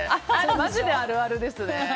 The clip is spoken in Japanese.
マジであるあるですね。